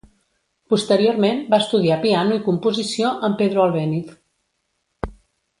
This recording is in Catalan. Posteriorment va estudiar piano i composició amb Pedro Albéniz.